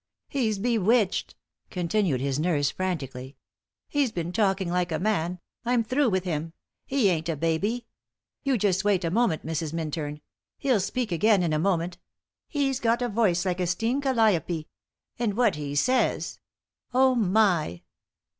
"He's bewitched," continued his nurse, frantically. "He's been talking like a man. I'm through with him. He ain't a baby! You just wait a moment, Mrs. Minturn. He'll speak again in a moment. He's got a voice like a steam calliope. And what he says! Oh, my!"